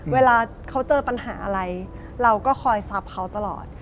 เวลาเขาเจอปัญหาอะไรเราก็คอยซับเขาตลอด